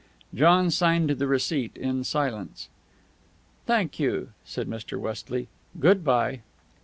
John signed the receipt in silence. "Thank you," said Mr. Westley. "Good by."